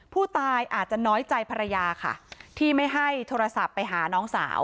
ผู้ตายอาจจะน้อยใจภรรยาค่ะที่ไม่ให้โทรศัพท์ไปหาน้องสาว